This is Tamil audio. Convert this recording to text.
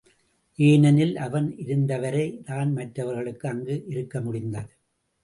ஏனெனில், அவன் இருந்தவரை தான், மற்றவர்களும் அங்கு இருக்க முடிந்தது.